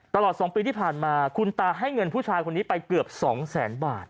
ตลอด๒ปีที่ผ่านมาคุณตาให้เงินผู้ชายคนนี้ไปเกือบ๒แสนบาท